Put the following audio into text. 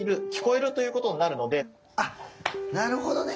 あなるほどね。